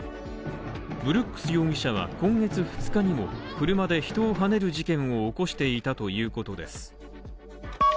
ブルックス容疑者は今月２日にも車で人をはねる事件を起こしていたということです。